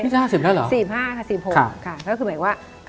นี่จะ๕๐แล้วเหรอ